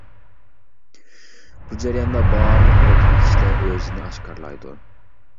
بۇ جەرياندا بارلىق رولدىكى كىشىلەر ئۆزىنى ئاشكارىلايدۇ.